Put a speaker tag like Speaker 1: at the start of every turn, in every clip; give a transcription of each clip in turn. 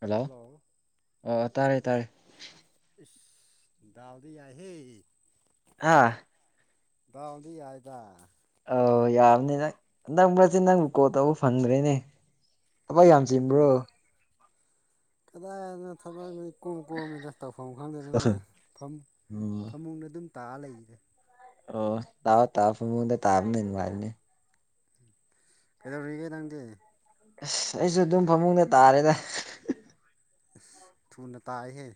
Speaker 1: hello ꯑꯣ ꯑꯣ ꯇꯥꯔꯦ ꯇꯥꯔꯦ
Speaker 2: ꯑꯁ ꯗꯥꯎ ꯗꯤ ꯌꯥꯏꯍꯦ
Speaker 1: ꯍꯥ
Speaker 2: ꯗꯥꯎꯗꯤ ꯌꯥꯏꯗ
Speaker 1: ꯑꯧ ꯌꯥꯕꯅꯤ ꯅꯪ ꯅꯪ ꯕ꯭ꯔꯥꯖꯤꯜ ꯅꯪ ꯀꯣꯜ ꯇꯧꯕ ꯐꯪꯗ꯭ꯔꯦꯅꯦ ꯊꯕꯛ ꯌꯥꯝ ꯆꯤꯟꯕꯔꯣ
Speaker 2: ꯎꯝ ꯀꯗꯥꯏꯗꯅꯣ ꯊꯕꯛꯅꯤ ꯏꯀꯣꯝ ꯀꯣꯝꯃꯤꯗꯥ ꯇꯧꯐꯝ ꯈꯪꯗꯦ ꯅꯪꯅ ꯐꯝ
Speaker 1: ꯎꯝ
Speaker 2: ꯐꯃꯨꯡꯗ ꯑꯗꯨꯝ ꯇꯥ ꯂꯩꯔꯦ
Speaker 1: ꯑꯣ ꯇꯥꯎ ꯇꯥꯎ ꯐꯥꯃꯨꯡꯗ ꯇꯕꯅꯥ ꯍꯦꯟꯅꯥ ꯅꯨꯡꯉꯥꯏꯕꯅꯤ
Speaker 2: ꯀꯩꯗꯧꯔꯤꯒꯦ ꯅꯪꯗꯤ
Speaker 1: ꯑꯁ ꯑꯩꯁꯨ ꯑꯗꯨꯝ ꯐꯃꯨꯡꯗ ꯇꯥꯔꯦꯗ
Speaker 2: ꯑꯁ ꯊꯨꯅ ꯇꯥꯏꯍꯦ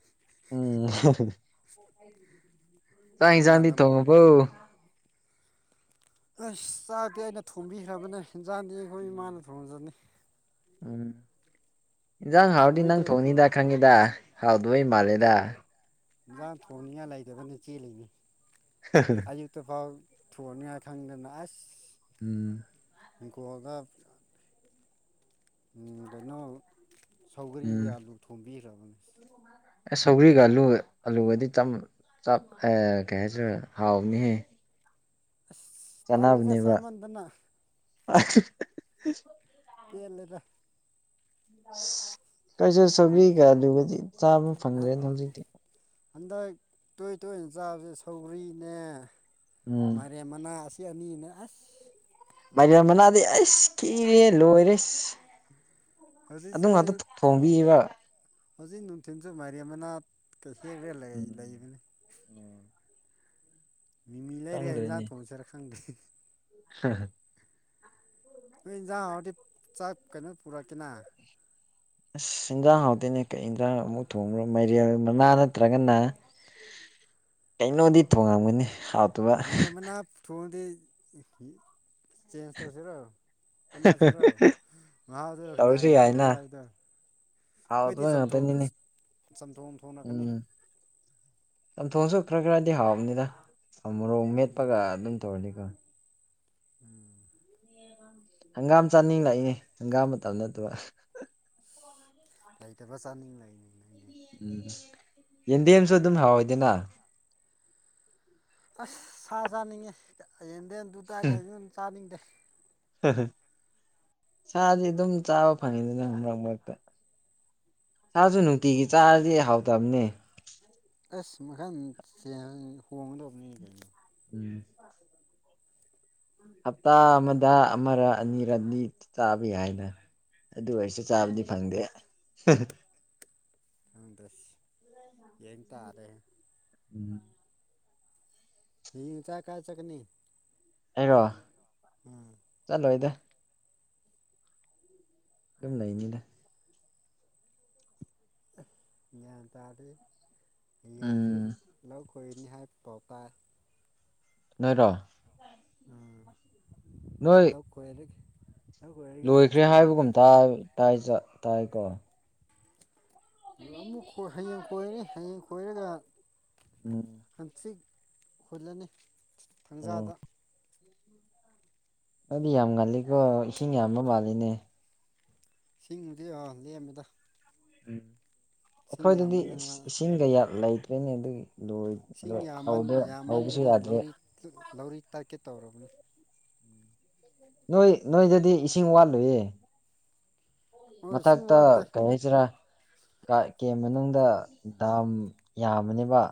Speaker 1: ꯎꯝ ꯆꯥꯛ
Speaker 2: ꯀꯔꯝ
Speaker 1: ꯏꯟꯖꯥꯡꯗꯤ
Speaker 2: ꯀꯥꯟꯗ ꯑꯃꯨꯛ
Speaker 1: ꯊꯣꯡꯉꯥꯕꯣ
Speaker 2: ꯑꯁ ꯆꯥꯛꯇꯤ ꯑꯩꯅ ꯊꯣꯡꯕꯤꯈ꯭ꯔꯕꯅꯦ ꯍꯤꯟꯖꯥꯡꯗꯤ ꯑꯩꯈꯣꯏ ꯏꯃꯥꯅ ꯊꯣꯡꯖꯅꯤ
Speaker 1: ꯎꯝ ꯏꯟꯖꯥꯡ ꯍꯥꯎꯔꯗꯤ ꯅꯪ
Speaker 2: ꯅꯣꯏꯗꯤ
Speaker 1: ꯊꯣꯡꯅꯤꯗ ꯈꯪꯉꯤꯗ ꯍꯥꯎꯗꯕꯩ ꯃꯥꯜꯂꯦꯗꯥ
Speaker 2: ꯏꯟꯁꯥꯡ ꯊꯣꯡꯅꯤꯡꯉꯥꯏ ꯂꯩꯇꯗꯅ ꯆꯦꯜꯂꯤꯅꯤ ꯑꯌꯨꯛꯇ ꯐꯥꯎ ꯊꯣꯡꯅꯤꯡꯉꯥꯏ ꯈꯪꯗꯅꯥ ꯑꯁ
Speaker 1: ꯎꯝ
Speaker 2: [unintelligible] ꯎꯝ ꯀꯩꯅꯣ ꯁꯧꯒꯔꯤ ꯒ
Speaker 1: ꯎꯝ
Speaker 2: ꯑꯂꯨ ꯊꯣꯝꯕꯤꯈ꯭ꯔꯕꯅꯦ
Speaker 1: ꯑꯁ ꯁꯧꯒ꯭ꯔꯤꯒ ꯑꯂꯨꯒ ꯑꯂꯨꯒꯗꯤ ꯆꯝ ꯆꯥꯛ ꯑꯦ ꯀꯩ ꯍꯥꯏꯁꯤꯔ ꯍꯥꯎꯕꯅꯦꯍꯦ
Speaker 2: ꯑꯥꯁ ꯇꯜꯂꯦꯗ ꯆꯥꯃꯟꯗꯅ
Speaker 1: INAUDIBLE
Speaker 2: ꯄꯦꯜꯂꯦꯗ
Speaker 1: ꯀꯩꯁꯨ ꯁꯧꯒ꯭ꯔꯤꯒ ꯑꯂꯨꯒꯗꯤ ꯆꯥꯕ ꯐꯪꯗ꯭ꯔꯦꯗ ꯍꯧꯖꯤꯛꯇꯤ
Speaker 2: ꯍꯟꯗꯛ ꯇꯣꯏ- ꯇꯣꯏꯅ ꯆꯥꯕꯁꯦ ꯁꯧꯒ꯭ꯔꯤꯅꯦ
Speaker 1: ꯎꯝ
Speaker 2: ꯃꯥꯏꯔꯦꯟ ꯃꯅꯥ ꯑꯥꯁ ꯀꯅꯤꯅꯦ ꯑꯥꯁ
Speaker 1: ꯃꯥꯏꯔꯦꯟ ꯃꯅꯥꯗꯤ ꯑꯩꯁ ꯈꯤꯔꯦ ꯂꯣꯏꯔꯦꯁ ꯑꯗꯨ
Speaker 2: ꯍꯧꯖꯤꯛꯁꯨ
Speaker 1: ꯉꯥꯛꯇ
Speaker 2: ꯑꯩ
Speaker 1: ꯊꯣꯡꯕꯤꯌꯦꯕ
Speaker 2: ꯍꯧꯖꯤꯛ ꯅꯨꯡꯊꯤꯟꯖꯨ ꯃꯥꯏꯔꯦꯟ ꯃꯅꯥ ꯀ ꯍꯦꯛꯔ ꯂꯩ ꯂꯩꯕꯅꯤ
Speaker 1: INAUDIBLE
Speaker 2: UNINTELLIGIBLE
Speaker 1: INAUDIBLE
Speaker 2: ꯅꯣꯏ ꯏꯟꯖꯥꯡ ꯍꯥꯎꯔꯗꯤ ꯆꯥꯛ ꯀꯩꯅꯣ ꯄꯨꯔꯛꯀꯦꯅ
Speaker 1: ꯑꯥꯁ ꯏꯟꯖꯥꯡ ꯍꯥꯎꯇꯦꯅꯦ ꯀꯩ ꯏꯟꯖꯥꯡ ꯑꯃꯨꯛ ꯊꯣꯡꯕ꯭ꯔꯣ ꯃꯥꯏꯔꯦꯜ ꯃꯅꯥ ꯅꯠꯇ꯭ꯔꯒꯅ ꯀꯩꯅꯣꯗꯤ ꯊꯣꯡꯉꯝꯃꯅꯤ ꯍꯥꯞ
Speaker 2: ꯃꯥꯏꯔꯦꯟ ꯃꯅꯥ ꯊꯣꯡꯉꯥꯗꯤ ꯆꯦꯟꯖ ꯇꯧꯁꯦꯔꯣ
Speaker 1: ꯇꯧꯔꯁꯨ ꯌꯥꯏꯅ
Speaker 2: UNINTELLIGIBLE ꯈꯣꯏꯗꯤ
Speaker 1: ꯍꯥꯎꯇꯕ
Speaker 2: ꯆꯝꯊꯣꯡ
Speaker 1: ꯉꯥꯛꯇꯅꯤꯅꯦ
Speaker 2: ꯆꯝꯊꯣꯡ- ꯊꯣꯡꯅꯀꯅꯤ
Speaker 1: ꯎꯝ ꯆꯝꯊꯣꯡꯁꯨ ꯈ꯭ꯔ ꯈ꯭ꯔꯗꯤ ꯍꯥꯎꯕꯅꯤꯗ ꯑꯥ ꯃꯣꯔꯣꯛ ꯃꯦꯠꯄꯒ ꯑꯗꯨꯝ ꯇꯧꯔꯗꯤꯀꯣ
Speaker 2: INAUDIBLE
Speaker 1: ꯍꯪꯒꯥꯝ ꯆꯥꯅꯤꯡ ꯂꯛꯏꯅꯦ ꯍꯪꯒꯥꯝ ꯃꯇꯝ ꯅꯠꯇꯕ
Speaker 2: ꯂꯩꯇꯕ ꯆꯥꯅꯤꯡ ꯂꯩꯅꯤꯡꯂꯩ
Speaker 1: ꯎꯝ ꯌꯦꯟꯗꯦꯝꯁꯨ ꯑꯗꯨꯝ ꯍꯥꯎꯏꯗꯅ
Speaker 2: ꯑꯥꯁ ꯁꯥ ꯆꯥꯅꯤꯡꯉꯦ ꯌꯦꯟꯗꯦꯝꯗꯨ ꯗꯥ ꯀꯥ ꯆꯥꯅꯤꯡꯗꯦ
Speaker 1: INAUDIBLE ꯁꯥꯗꯤ ꯑꯗꯨꯝ ꯆꯥꯕ ꯐꯪꯉꯤꯗꯅꯥ ꯃꯔꯛ- ꯃꯔꯛꯇ ꯁꯥꯥꯖꯨ ꯅꯨꯡꯇꯤꯒꯤ ꯆꯥꯔꯗꯤ ꯍꯥꯎꯇꯝꯅꯦ
Speaker 2: UNINTELLIGIBLE
Speaker 1: INAUDIBLE ꯍꯞꯇꯥ ꯑꯃꯗ ꯑꯃꯔ- ꯑꯅꯤꯔꯗꯤ ꯆꯥꯕ ꯌꯥꯏꯅ ꯑꯗꯨꯑꯣꯏꯔꯁꯨ ꯆꯥꯕꯗꯤ
Speaker 2: ꯎꯝ
Speaker 1: ꯐꯪꯗꯦ
Speaker 2: INAUDIBLE
Speaker 1: INAUDIBLE
Speaker 2: ꯍꯌꯦꯡꯆꯥꯛ ꯀꯥꯏ ꯆꯠꯀꯅꯤ
Speaker 1: ꯑꯩꯔꯣ
Speaker 2: ꯎꯝ
Speaker 1: ꯆꯠꯂꯣꯏꯗ ꯑꯗꯨꯝ ꯂꯩꯅꯤꯗ
Speaker 2: ꯒ꯭ꯌꯥꯟ ꯇꯥꯗꯦ ꯍꯌꯦꯡꯁꯦ
Speaker 1: ꯎꯝ
Speaker 2: ꯂꯧ ꯀꯣꯏꯅꯤ ꯍꯥꯏꯕ ꯄꯥꯎ ꯇꯥꯏ
Speaker 1: ꯅꯣꯏꯔꯣ ꯅꯣꯏ
Speaker 2: UNINTELLIGIBLE
Speaker 1: ꯂꯣꯏꯈ꯭ꯔꯦ ꯍꯥꯏꯕꯒꯨꯝ ꯇꯥꯏ ꯇꯥꯏꯖ-ꯇꯥꯏꯀꯣ
Speaker 2: ꯂꯃꯨꯛ ꯈꯣꯏ ꯍꯌꯦꯡ ꯈꯣꯏꯔꯦꯅꯤ ꯍꯌꯦꯡ ꯈꯣꯏꯔꯒ
Speaker 1: ꯎꯝ
Speaker 2: ꯍꯪꯆꯤꯠ ꯍꯨꯜꯂꯅꯤ
Speaker 1: ꯑꯣ
Speaker 2: ꯊꯪꯖꯥꯗ
Speaker 1: ꯅꯪꯗꯤ ꯌꯥꯝ ꯉꯜꯂꯤꯀꯣ ꯏꯁꯤꯡ ꯌꯥꯝꯕ ꯃꯥꯜꯂꯤꯅꯦ
Speaker 2: ꯁꯤꯡꯕꯨꯗꯤ ꯑꯥ ꯂꯦꯝꯃꯤꯗ
Speaker 1: ꯎꯝ
Speaker 2: ꯁꯤꯡ
Speaker 1: ꯑꯈꯣꯏꯗꯗꯤ
Speaker 2: ꯌꯥꯝꯕꯅꯤꯅ
Speaker 1: ꯏꯁꯤꯡ ꯀꯌꯥ ꯂꯩꯇ꯭ꯔꯦꯅꯦ ꯑꯗꯨꯒꯤ ꯂꯣꯏ
Speaker 2: ꯏꯁꯤꯡ ꯌꯥꯝꯃꯟ
Speaker 1: ꯍꯧꯗ ꯍꯧꯕꯁꯨ
Speaker 2: ꯌꯥꯝꯃꯟꯗꯅ
Speaker 1: ꯌꯥꯗ꯭ꯔꯦ
Speaker 2: ꯂꯧꯔꯤ ꯂꯧꯔꯤ ꯇꯠꯀꯦ ꯇꯧꯔꯕꯅꯤ
Speaker 1: ꯅꯣꯏ ꯅꯣꯏꯗꯗꯤ ꯏꯁꯤꯡ ꯋꯥꯠꯂꯣꯏꯌꯦ
Speaker 2: ꯍꯣꯏ ꯏꯁꯤꯡ
Speaker 1: ꯃꯊꯛꯇ
Speaker 2: ꯋꯥꯠꯇꯦ
Speaker 1: ꯀꯩ ꯍꯥꯏꯁꯤꯔꯀꯥꯀꯦ ꯃꯅꯨꯡꯗ ꯗꯥꯝ ꯌꯥꯝꯕꯅꯦꯕ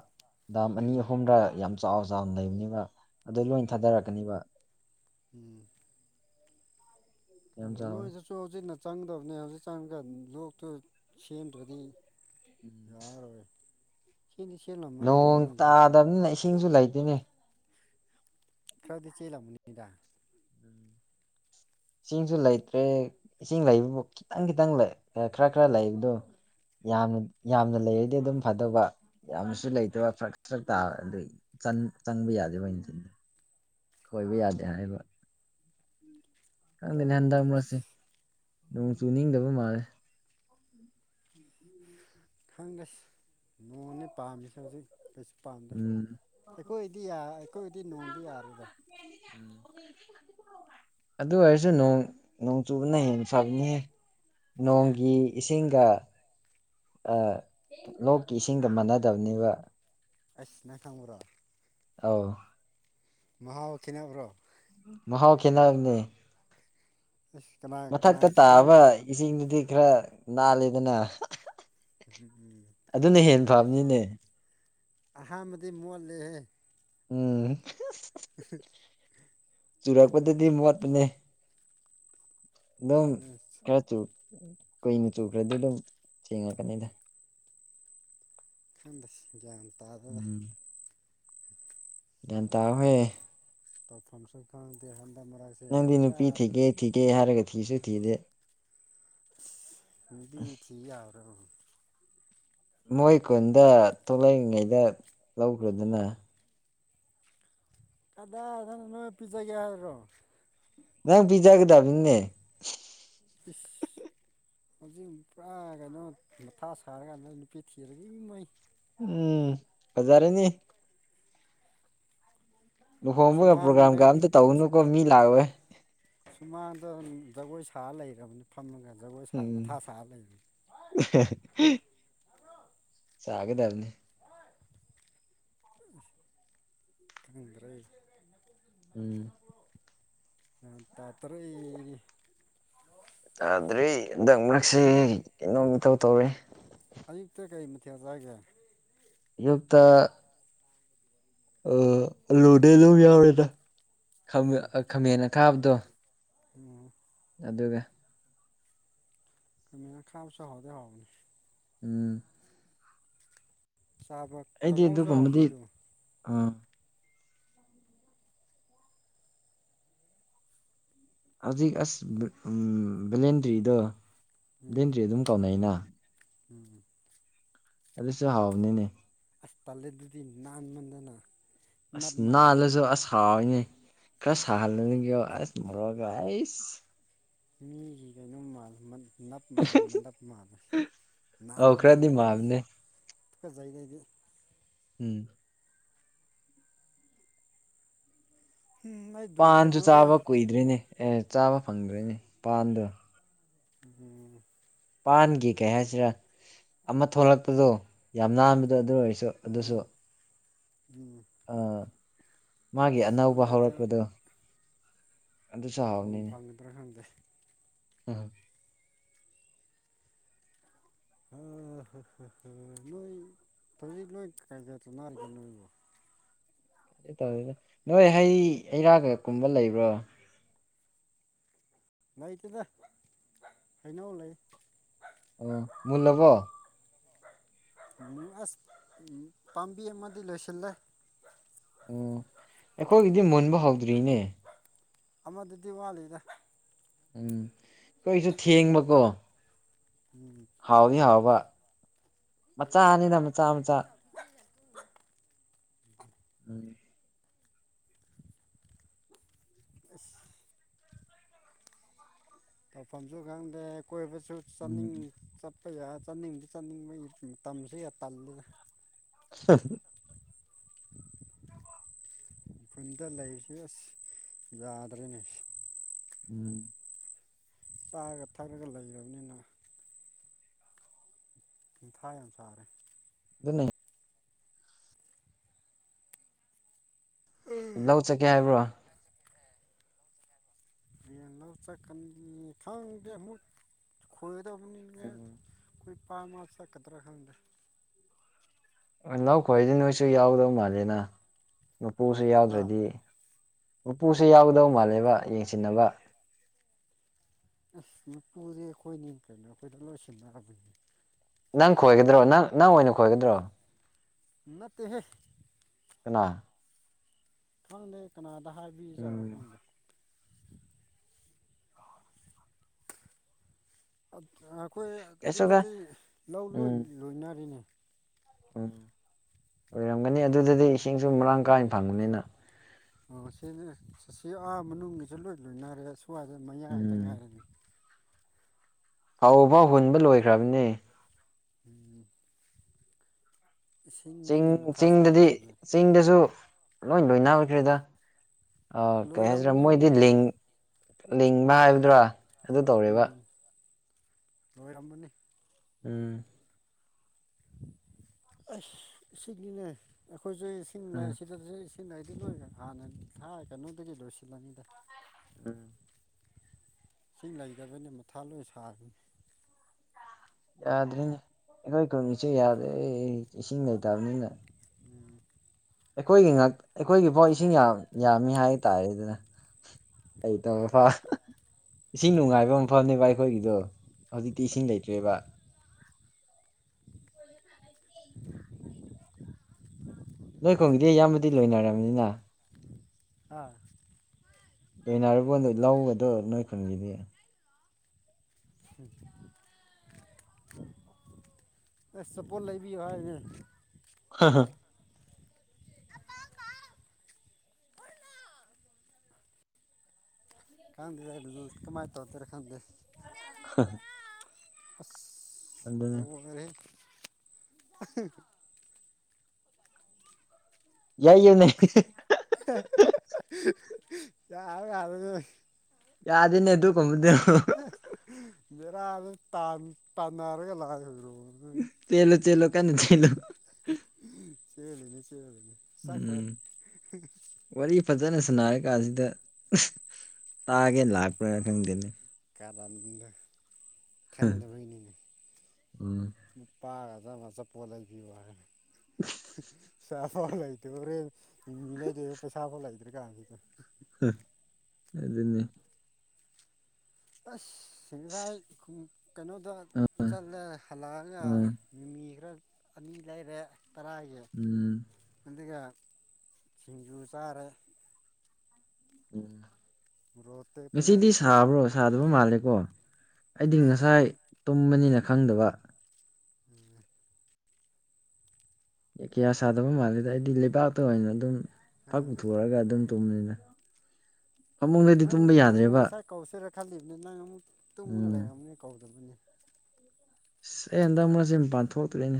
Speaker 1: ꯗꯥꯝ ꯑꯅꯤ
Speaker 2: ꯎꯝ
Speaker 1: ꯑꯍꯨꯝꯔ ꯌꯥꯝ ꯆꯥꯎ ꯆꯥꯎꯅ ꯂꯩꯕꯅꯤꯕ ꯑꯗꯨ ꯂꯣꯏ
Speaker 2: ꯎꯝ
Speaker 1: ꯊꯥꯗꯔꯛꯀꯅꯤꯕ
Speaker 2: ꯎꯝ
Speaker 1: ꯌꯥꯝ ꯆꯥꯎꯋꯦ
Speaker 2: ꯅꯣꯏꯗꯁꯨ ꯍꯧꯖꯤꯛꯅ ꯆꯪꯗꯕꯅꯦ ꯍꯧꯖꯤꯛ ꯆꯪꯉꯒ ꯂꯣꯛꯇꯨ ꯁꯦꯝꯗ꯭ꯔꯗꯤ [inaudible] ꯆꯦꯟꯗꯤ ꯆꯦꯜꯂꯝꯃꯅꯤꯗ
Speaker 1: ꯅꯣꯡ
Speaker 2: ꯅꯣꯏꯁꯨ
Speaker 1: ꯇꯥꯗꯕꯅꯤꯅ ꯏꯁꯤꯡꯁꯨ ꯂꯩꯇꯦꯅꯦ
Speaker 2: ꯈꯔꯥꯗꯤ ꯆꯦꯜ ꯂꯝꯅꯤꯗ
Speaker 1: ꯏꯁꯤꯡꯁꯨ ꯂꯩꯇ꯭ꯔꯦ ꯏꯁꯤꯡ ꯂꯩꯕꯕꯨ ꯈꯤꯇꯪ ꯈꯤꯇꯪ ꯈꯔ ꯈꯔ ꯂꯩꯕꯗꯣ ꯌꯥꯝꯅ ꯌꯥꯝꯅ ꯂꯩꯔꯗꯤ ꯑꯗꯨꯝ ꯐꯗꯧꯕ ꯌꯥꯝꯅꯁꯨ ꯂꯩꯇꯕ ꯐ꯭ꯔꯛ ꯐ꯭ꯔꯛ ꯇꯥꯕ ꯑꯗꯨꯏ ꯆꯪ ꯆꯪꯕ ꯌꯥꯗꯦꯕꯩ ꯀꯩꯅꯣ ꯈꯣꯏꯕ ꯌꯥꯗꯦ ꯍꯥꯏꯕ
Speaker 2: ꯂꯧ
Speaker 1: ꯈꯪꯗꯦꯅꯦ ꯍꯟꯗꯛꯃꯔꯛꯁꯤ ꯅꯣꯡ ꯆꯨꯅꯤꯡꯗꯕ ꯃꯥꯜꯂꯦ
Speaker 2: ꯈꯪꯒꯁ ꯅꯣꯡꯅꯦ ꯄꯥꯝꯃꯤꯁꯦ ꯍꯧꯖꯤꯛ ꯀꯩꯁꯨ ꯄꯥꯝꯗꯦ
Speaker 1: ꯎꯝ
Speaker 2: ꯑꯩꯈꯣꯏꯗꯤ ꯌꯥ ꯑꯩꯈꯣꯏꯗꯤ ꯅꯣꯡꯗꯤ ꯌꯥꯔꯦꯗ
Speaker 1: ꯑꯗꯨ ꯑꯣꯏꯔꯁꯨ ꯅꯣꯡ ꯅꯣꯡ ꯆꯨꯕꯅ ꯍꯦꯟꯅ ꯐꯕꯅꯤꯍꯦ ꯅꯣꯡꯒꯤ
Speaker 2: ꯎꯝ
Speaker 1: ꯏꯁꯤꯡꯒ ꯑꯥ ꯂꯣꯛꯀꯤ ꯏꯁꯤꯡꯒ ꯃꯥꯟꯅꯗꯕꯅꯦꯕ
Speaker 2: ꯑꯁ ꯅꯪ ꯈꯪꯕ꯭ꯔꯣ
Speaker 1: ꯑꯥꯎ
Speaker 2: ꯃꯍꯥꯎ ꯈꯦꯅꯕ꯭ꯔꯣ
Speaker 1: ꯃꯍꯥꯎ ꯈꯦꯅꯕꯅꯦ
Speaker 2: ꯑꯁ ꯀꯅꯥ ꯀꯅꯥ
Speaker 1: ꯃꯊꯛꯇ ꯇꯥꯕ
Speaker 2: ꯀꯔꯝꯕ
Speaker 1: ꯏꯁꯤꯡꯗꯨꯗꯤ ꯈꯔ ꯅꯥꯜꯂꯤꯗꯅ ꯍꯥ ꯍꯥ
Speaker 2: ꯎꯝ ꯎꯝ
Speaker 1: ꯑꯗꯨꯅ ꯍꯦꯟ
Speaker 2: ꯆꯨꯝꯃꯤ
Speaker 1: ꯐꯕꯅꯤꯅꯦ
Speaker 2: ꯑꯍꯥꯟꯕꯗꯤ ꯃꯣꯠꯂꯦꯍꯦ
Speaker 1: ꯎꯝ
Speaker 2: ꯊꯃꯣꯏ
Speaker 1: ꯆꯨꯔꯛꯄꯗꯗꯤ ꯃꯣꯠꯄꯅꯦ ꯑꯗꯨꯝ ꯈꯔ ꯆꯨ ꯀꯨꯏꯅ ꯆꯨꯈ꯭ꯔꯗꯤ ꯑꯗꯨꯝ ꯁꯦꯡꯉꯛꯀꯅꯤꯗ
Speaker 2: ꯈꯪꯗꯦ ꯒ꯭ꯌꯥꯟ ꯇꯗꯦꯗ
Speaker 1: ꯒꯤ꯭ꯌꯥꯟ ꯇꯥꯎꯍꯦ
Speaker 2: ꯇꯧꯐꯝꯁꯨ ꯈꯪꯗꯦ ꯍ
Speaker 1: ꯅꯪꯗꯤ ꯅꯨꯄꯤ ꯊꯤꯒꯦ ꯊꯤꯒꯦ ꯍꯥꯏꯔꯒ ꯊꯤꯁꯨ ꯊꯤꯗꯦ
Speaker 2: ꯅꯨꯄꯤ ꯊꯤꯌꯥꯕ꯭ꯔꯕ
Speaker 1: ꯃꯣꯏ ꯈꯨꯟꯗ ꯊꯣꯛꯂꯛꯏꯉꯩꯗ ꯂꯧꯒ꯭ꯔꯣꯗꯅ
Speaker 2: ꯀꯗꯥꯏꯗꯩꯅꯣ ꯅꯣꯏ ꯄꯤꯖꯒꯦ ꯍꯥꯏꯕ꯭ꯔꯣ
Speaker 1: ꯅꯪ ꯄꯤꯖꯥꯒꯗꯝꯅꯤꯅꯦ
Speaker 2: ꯏꯁ ꯍꯧꯖꯤꯛ ꯄꯨꯔꯥ ꯀꯩꯅꯣ ꯃꯊꯥ ꯁꯥꯔꯤꯀꯥꯟꯗ ꯅꯨꯄꯤ ꯊꯤꯔꯗꯤ ꯏꯃꯩ
Speaker 1: ꯎꯝ ꯐꯖꯔꯅꯤ ꯂꯨꯍꯣꯡꯕꯒ
Speaker 2: ꯁꯨꯃꯥꯡꯗ
Speaker 1: ꯄ꯭ꯔꯣꯒ꯭ꯔꯥꯝꯒ ꯑꯝꯇ ꯇꯧꯒꯅꯨꯀꯣ ꯃꯤ ꯂꯥꯛꯑꯣꯏ
Speaker 2: ꯁꯨꯃꯥꯡꯗ ꯖꯒꯣꯏ ꯁꯥ ꯂꯩꯔꯕꯅꯤ ꯐꯝꯃꯒ ꯖꯒꯣꯏ ꯁꯥ ꯃꯊꯥ
Speaker 1: ꯎꯝ
Speaker 2: ꯁꯥꯔ ꯂꯩꯕꯅꯤ
Speaker 1: [unintelligible] ꯆꯥꯒꯗꯝꯅꯤ
Speaker 2: ꯈꯪꯍꯟꯗ꯭ꯔꯦ
Speaker 1: ꯎꯝ
Speaker 2: ꯒ꯭ꯌꯥꯟ ꯇꯥꯇ꯭ꯔꯦ
Speaker 1: ꯇꯥꯗ꯭ꯔꯤ ꯍꯟꯗꯛ ꯃꯔꯛꯁꯦ
Speaker 2: ꯅꯣꯏ
Speaker 1: ꯀꯩꯅꯣꯝ ꯏꯇꯧ ꯇꯧꯋꯦ
Speaker 2: ꯀꯩ ꯀꯩ ꯃꯊꯦꯜ ꯆꯥꯒꯦ
Speaker 1: ꯌꯨꯛꯇ ꯑ ꯑꯂꯨꯗꯤ ꯑꯗꯨꯝ ꯌꯥꯎꯔꯦꯗ ꯈꯥꯃꯦꯟ ꯑ ꯈꯥꯃꯦꯟ ꯑꯈꯥꯕꯗꯣ
Speaker 2: ꯎꯝ
Speaker 1: ꯑꯗꯨꯒ
Speaker 2: ꯈꯥꯃꯦꯟ ꯑꯈꯥꯕꯁꯨ ꯍꯥꯎꯗꯤ ꯍꯥꯎꯕꯅꯤ
Speaker 1: ꯎꯝ
Speaker 2: ꯆꯥꯕ
Speaker 1: ꯑꯩꯗꯤ
Speaker 2: ꯀꯥꯡꯍꯧꯁꯨ ꯍꯥꯎꯕꯅꯦ
Speaker 1: ꯑꯗꯨꯒꯨꯝꯕꯗꯤ
Speaker 2: ꯑꯗꯨꯝ
Speaker 1: ꯑꯥ ꯍꯧꯖꯤꯛ ꯑꯁ ꯎꯝ ꯕꯦꯂꯦꯟꯗ꯭ꯔꯤꯗꯣ
Speaker 2: ꯎꯝ
Speaker 1: ꯕ꯭ꯂꯦꯟꯗ꯭ꯔꯤ ꯑꯗꯨꯝ ꯀꯧꯅꯩꯩꯌꯦꯅ
Speaker 2: ꯎꯝ
Speaker 1: ꯑꯗꯨꯁꯨ ꯍꯥꯎꯕꯅꯤꯅꯦ
Speaker 2: ꯑꯁ ꯇꯜꯂꯦꯗꯨꯗꯤ ꯅꯥꯟꯃꯟꯗꯅ
Speaker 1: ꯑꯁ
Speaker 2: ꯅꯞ ꯃꯥꯜꯂꯦ
Speaker 1: ꯅꯥꯜꯂꯖꯨ ꯑꯁ ꯍꯥꯎꯋꯤꯅꯦ ꯈꯔ ꯁꯥꯍꯜꯂꯒꯦꯒ꯭ꯌꯣ ꯑꯁ ꯃꯣꯔꯣꯛꯀ ꯑꯩꯏꯁ
Speaker 2: ꯃꯤꯒꯤ ꯀꯩꯅꯣꯝ ꯃꯥꯜꯂꯦ ꯃꯟ ꯅꯞ ꯃꯥꯜꯂꯦ ꯃꯅꯞ ꯃꯥꯜꯂꯦ
Speaker 1: ꯑꯧ ꯈꯔꯗꯤ
Speaker 2: ꯅꯥꯟꯃꯟꯗꯅ ꯑꯩꯏꯁ
Speaker 1: ꯃꯥꯕꯅꯦ
Speaker 2: ꯐꯖꯩꯅꯦ ꯑꯩꯗꯤ
Speaker 1: ꯎꯝ
Speaker 2: ꯎꯝ ꯑꯩ ꯗꯨ
Speaker 1: ꯄꯥꯟꯁꯨ
Speaker 2: ꯀꯩꯅꯣꯗ
Speaker 1: ꯆꯥꯕ ꯀꯨꯏꯗ꯭ꯔꯦꯅꯦ ꯑꯦ ꯆꯥꯕ ꯐꯪꯗ꯭ꯔꯤꯅꯦ ꯄꯥꯟꯗꯣ
Speaker 2: ꯎꯝ
Speaker 1: ꯄꯥꯟꯒꯤ ꯀꯩ ꯍꯥꯏꯁꯤꯔꯥ ꯑꯃ ꯊꯣꯛꯂꯛꯄꯗꯣ ꯌꯥꯝ ꯅꯥꯟꯕꯗꯣ ꯑꯗꯨ ꯑꯣꯏꯔꯁꯨ ꯑꯗꯨꯁꯨ
Speaker 2: ꯑꯥ ꯎꯝ
Speaker 1: ꯑꯥ ꯃꯥꯒꯤ ꯑꯅꯧꯕ
Speaker 2: ꯈꯪꯗꯦꯗ
Speaker 1: ꯍꯧꯔꯛꯄꯗꯣ ꯑꯗꯨꯁꯨ
Speaker 2: ꯐꯪꯕꯨ ꯐꯪꯒꯗ꯭ꯔꯥ ꯈꯪꯗꯦ
Speaker 1: ꯎꯍꯝ [inaudible]
Speaker 2: ꯍ ꯍ ꯍ ꯍ ꯅꯣꯏ ꯍꯧꯖꯤꯛ ꯅꯣꯏ ꯀꯩꯀꯩ ꯇꯧꯅꯥꯔꯤꯒꯦ ꯅꯣꯏꯕꯨ
Speaker 1: [unintelligible] ꯅꯣꯏ ꯍꯩ ꯍꯩꯔꯥꯒ ꯀꯨꯝꯕ ꯂꯩꯕ꯭ꯔꯣ
Speaker 2: ꯂꯩꯇꯦꯗ ꯍꯩꯅꯧ ꯂꯩ
Speaker 1: ꯑꯣ ꯃꯨꯜꯂꯕꯣ
Speaker 2: ꯎꯝ ꯑꯁ ꯎꯝ ꯄꯥꯝꯕꯤ ꯑꯃꯗꯤ ꯂꯣꯏꯁꯤꯜꯂꯦ
Speaker 1: ꯎꯝ ꯑꯩꯈꯣꯏꯒꯤꯗꯤ ꯃꯨꯟꯕ ꯍꯧꯗ꯭ꯔꯤꯅꯦ
Speaker 2: ꯑꯃꯗꯨꯗꯤ ꯋꯥꯠꯂꯤꯗ
Speaker 1: ꯎꯝ ꯈꯣꯏꯁꯨ ꯊꯦꯡꯕꯀꯣ
Speaker 2: ꯎꯝ
Speaker 1: ꯍꯥꯎꯗꯤ ꯍꯥꯎꯕ ꯃꯆꯥꯅꯤꯗ ꯃꯆꯥ ꯃꯆꯥ ꯎꯝ
Speaker 2: ꯑꯩꯁ ꯇꯧꯐꯝꯁꯨ ꯈꯪꯗꯦ ꯀꯣꯏꯕꯁꯨ ꯆꯠꯅꯤꯡꯉꯤ
Speaker 1: ꯎꯝ
Speaker 2: ꯆꯠ ꯈꯣꯏ ꯑꯥ ꯆꯠꯅꯤꯡꯕ ꯆꯠꯅꯤꯡꯕꯒꯤ ꯃꯇꯝꯁꯤꯒ ꯇꯜꯂꯤꯗ
Speaker 1: [unintelligible]
Speaker 2: ꯈꯨꯟꯗ ꯂꯩꯔꯤꯁꯦ ꯑꯁ ꯌꯥꯗ꯭ꯔꯦꯅꯦ
Speaker 1: ꯎꯝ
Speaker 2: ꯆꯥꯔꯒ ꯊꯛꯂꯒ ꯂꯩꯔꯝꯅꯤꯅ ꯃꯊꯥ ꯌꯥꯝ ꯁꯥꯥꯔꯦ
Speaker 1: ꯗꯨꯅꯩ ꯂꯧ ꯆꯠꯀꯦ ꯍꯥꯏꯕ꯭ꯔꯣ
Speaker 2: ꯍꯌꯦꯡ ꯂꯧ ꯆꯠꯀꯅꯤ ꯈꯪꯗꯦ ꯃꯨꯛ ꯈꯨꯏ
Speaker 1: [inaudible]
Speaker 2: ꯐꯥꯔꯝ ꯉꯥꯛ ꯆꯠꯀꯗ꯭ꯔꯥ ꯈꯪꯗꯦ
Speaker 1: ꯑꯥ ꯂꯧ ꯈꯣꯏꯔꯗꯤ ꯅꯣꯏꯁꯨ ꯌꯥꯎꯗꯧ ꯃꯥꯜꯂꯦꯅ ꯃꯥꯄꯨꯁꯨ
Speaker 2: ꯍꯥ
Speaker 1: ꯌꯥꯎꯗ꯭ꯔꯗꯤ ꯎꯄꯨꯁꯨ ꯌꯥꯎꯒꯗꯧ ꯃꯥꯜꯂꯦꯕ ꯌꯦꯡꯁꯤꯟꯅꯕ
Speaker 2: ꯑꯁ ꯃꯄꯨꯗꯤ ꯑꯩꯈꯣꯏꯅꯤ ꯀꯩꯅꯣ ꯑꯩꯈꯣꯏꯗ ꯂꯣꯏ ꯁꯤꯟꯅꯔ
Speaker 1: ꯅꯪ ꯈꯣꯏꯒꯗ꯭ꯔꯣ ꯅꯪ ꯅꯪ ꯑꯣꯏꯅ ꯈꯣꯏꯒꯗ꯭ꯔꯣ
Speaker 2: ꯅꯠꯇꯦꯍꯦ
Speaker 1: ꯀꯅꯥ
Speaker 2: ꯈꯪꯗꯦ ꯀꯅꯥꯗ ꯍꯥꯏꯕꯤꯖꯔꯣ
Speaker 1: ꯎꯝ
Speaker 2: ꯈꯪꯗꯦ ꯑꯛ ꯑꯈꯣꯏ
Speaker 1: ꯀꯩꯁꯨꯒ
Speaker 2: ꯑꯗꯨꯗꯗꯤ ꯂꯧ ꯂꯣꯏ
Speaker 1: ꯎꯝ
Speaker 2: ꯂꯣꯏꯅꯔꯤꯅꯦ
Speaker 1: ꯎꯝ ꯑꯣꯏꯔꯝꯒꯅꯤ ꯑꯗꯨꯗꯗꯤ ꯏꯁꯤꯡꯁꯨ ꯃꯔꯥꯡ ꯀꯥꯏꯟ ꯐꯪꯕꯅꯤꯅ
Speaker 2: ꯑꯣ ꯁꯤꯅꯤ ꯁꯁꯤ ꯑꯥ ꯃꯅꯨꯡꯒꯤꯁꯨ ꯂꯣꯏ ꯂꯣꯏꯅꯔꯦ ꯃꯌꯥꯏ ꯈꯇꯪ
Speaker 1: ꯎꯝ
Speaker 2: ꯉꯥꯏꯔꯦꯅꯦ
Speaker 1: ꯐꯥꯎꯕꯥꯎ ꯍꯨꯟꯕ ꯂꯣꯏꯈ꯭ꯔꯝꯅꯦ
Speaker 2: [inaudible]
Speaker 1: ꯆꯤꯡ
Speaker 2: ꯏꯁꯤꯡꯒꯤꯅꯦ ꯃꯊꯥ
Speaker 1: ꯆꯤꯡꯗꯗꯤ
Speaker 2: ꯁꯥꯔꯤꯁꯦ ꯍꯧꯖꯤꯛ
Speaker 1: ꯆꯤꯡꯗꯖꯨ ꯂꯣꯏ ꯂꯣꯏꯅꯈ꯭ꯔꯦꯗ ꯑꯥ ꯀꯩ ꯍꯥꯏꯁꯤꯔꯦ
Speaker 2: ꯂꯣꯏꯔꯝꯃꯅꯤ ꯎꯝ
Speaker 1: ꯃꯣꯏꯗꯤ ꯂꯤꯡ ꯂꯤꯡꯕ ꯍꯥꯏꯕꯗꯨꯔ ꯑꯗꯨ ꯇꯧꯔꯦꯕ
Speaker 2: ꯎꯝ ꯂꯣꯏꯔꯝꯃꯅꯤ
Speaker 1: ꯎꯝ
Speaker 2: ꯑꯁ ꯁꯤꯡꯗꯤꯅꯦ ꯑꯩꯈꯣꯏꯁꯨ ꯏꯁꯤꯡ ꯂꯩ
Speaker 1: ꯎꯝ
Speaker 2: ꯁꯤꯗ ꯁꯤꯁ ꯁꯤꯡ ꯅꯩꯗꯤ ꯂꯣꯏꯅ ꯉꯥꯡꯉꯅꯤ ꯊꯥ ꯀꯩꯅꯣꯗꯒꯤ ꯂꯣꯏꯁꯤꯜꯂꯅꯤꯗ
Speaker 1: ꯎꯝ
Speaker 2: ꯏꯁꯤꯡ ꯂꯩꯇꯕꯅ ꯃꯊꯥ ꯂꯣꯏ ꯁꯥꯕꯅꯦ
Speaker 1: ꯌꯥꯗ꯭ꯔꯦꯅꯦ ꯑꯩꯈꯣꯏ ꯈꯨꯟꯒꯤꯁꯦ ꯌꯥꯗ꯭ꯔꯦ ꯏꯁꯤꯡ ꯂꯩꯇꯝꯅꯤꯅ ꯑꯩꯈꯣꯏꯒꯤ ꯉꯛ ꯑꯩꯈꯣꯏꯒꯤꯕꯥꯎ ꯏꯁꯤꯡ ꯌꯥꯝ ꯌꯥꯝꯃꯤ ꯍꯥꯏꯇꯥꯔꯦꯗꯅ ꯀꯩ ꯇꯧꯕ ꯏꯁꯤꯡ ꯅꯨꯡꯉꯥꯏꯕ ꯃꯐꯝꯅꯦꯕ ꯑꯩꯈꯣꯏꯒꯤꯗꯣ ꯍꯧꯖꯤꯛꯇꯤ ꯏꯁꯤꯡ ꯂꯩꯇ꯭ꯔꯦꯕ ꯅꯣꯏ ꯈꯣꯡꯒꯤꯗꯤ ꯏꯌꯥꯝꯕꯗꯤ ꯂꯣꯏꯅꯔꯝꯅꯤꯅ
Speaker 2: [inaudible]
Speaker 1: ꯂꯣꯏꯅꯔꯕꯣꯅꯦ ꯂꯧꯒꯗꯣ ꯅꯣꯏ ꯈꯨꯟꯒꯤꯗꯤ
Speaker 2: [inaudible] ꯑꯁ ꯁꯄꯣꯜ ꯂꯩꯕꯤꯌꯣ ꯍꯥꯏꯅꯦ
Speaker 1: ꯍꯥ ꯍꯥ
Speaker 2: [unintelligible] ꯀꯃꯥꯏ ꯇꯧꯗꯣꯔ ꯈꯪꯗꯦ
Speaker 1: ꯍꯥ
Speaker 2: ꯑꯁ ꯂꯣꯢꯔꯦꯍꯦ
Speaker 1: ꯌꯥꯏꯌꯦ ꯅꯦ [unintelligible]
Speaker 2: ꯌꯥꯔ ꯌꯥꯗꯖꯅꯨ
Speaker 1: ꯌꯥꯗꯦꯅꯦ ꯑꯗꯨ ꯒꯨꯝꯕꯗꯨ
Speaker 2: [unintelligible] ꯕꯦꯔꯥꯥꯗ ꯇꯥꯟ ꯇꯥꯟꯅꯔꯒ ꯂꯥꯛꯂꯕ꯭ꯔꯣ
Speaker 1: ꯆꯦꯜꯂꯨ ꯆꯦꯜꯂꯨ ꯀꯟꯅ ꯆꯦꯜꯂꯨ
Speaker 2: ꯆꯦꯂꯤꯅꯦ ꯆꯦꯂꯤꯅꯦ ꯆꯠꯈ꯭ꯔꯦ
Speaker 1: ꯋꯥꯔꯤ ꯐꯖꯅ ꯁꯅꯥꯔ ꯀꯥꯟꯁꯤꯗ ꯇꯥꯒꯦꯅ ꯂꯥꯛꯄ꯭ꯔꯥ ꯈꯪꯗꯦꯅꯦ
Speaker 2: ꯀꯔꯟꯗꯣ ꯈꯪꯗꯕꯩꯅꯤ
Speaker 1: ꯎꯝ
Speaker 2: ꯄꯒ ꯆꯃ ꯆꯄꯣꯠ ꯂꯩꯕꯤꯌꯣ ꯍꯥꯏ [unintelligible] ꯍꯥꯎ ꯂꯩꯇꯦ ꯍꯣꯔꯦꯟ ꯃꯦꯗꯤ ꯄꯩꯁꯥꯐꯥꯎ ꯂꯩꯇ꯭ꯔꯦ ꯀꯥꯟꯖꯤꯗ
Speaker 1: ꯍꯥ ꯑꯗꯨꯅꯦ
Speaker 2: ꯑꯁ ꯁꯤꯝꯗꯥꯏ ꯈꯨꯝ ꯀꯩꯅꯣꯗ ꯆꯠꯂꯦ ꯍꯜꯂꯛꯑꯒ
Speaker 1: ꯎꯝ
Speaker 2: ꯃꯤꯃꯤ ꯈꯔ ꯑꯅꯤ ꯂꯩꯔꯦ ꯇꯔꯥꯒꯤ
Speaker 1: ꯎꯝ
Speaker 2: ꯑꯗꯨꯒ ꯁꯤꯡꯖꯨ ꯆꯥꯔꯦ
Speaker 1: ꯎꯝ
Speaker 2: ꯃꯣꯔꯣꯛ ꯑꯇꯦꯛꯄꯒ
Speaker 1: ꯉꯁꯤꯗꯤ ꯁꯥꯕ꯭ꯔꯣ ꯁꯥꯗꯕ ꯃꯥꯜꯂꯦꯀꯣ ꯑꯩꯗꯤ ꯉꯁꯥꯏ ꯇꯨꯝꯕꯅꯤꯅ ꯈꯪꯗꯕ ꯀꯌꯥ ꯁꯥꯗꯕ ꯃꯥꯜꯂꯦꯗ ꯑꯩꯗꯤ ꯂꯩꯕꯥꯛꯇ ꯑꯣꯏꯅ ꯑꯗꯨꯝ ꯐꯛ ꯄꯨꯊꯣꯛꯑꯒ ꯑꯗꯨꯝ ꯇꯨꯝꯃꯦ
Speaker 2: ꯅꯪ ꯅꯪꯕꯨ ꯉꯁꯥꯏ ꯀꯧꯁꯤꯔꯥ ꯈꯜꯂꯤꯕꯅꯤ ꯅꯪ ꯑꯃꯨꯛ ꯇꯨꯝꯃꯒ
Speaker 1: ꯎꯝ
Speaker 2: ꯂꯩꯔꯝꯅꯤ ꯀꯧꯗꯕꯅꯤ
Speaker 1: ꯁ ꯑꯩ ꯍꯟꯗꯛ ꯃꯔꯛꯁꯦ ꯃꯄꯥꯟ ꯊꯣꯛꯇ꯭ꯔꯦꯅꯦ